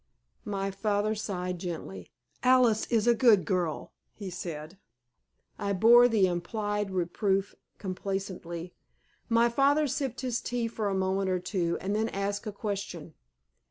My father sighed gently. "Alice is a good girl," he said. I bore the implied reproof complacently. My father sipped his tea for a moment or two, and then asked a question.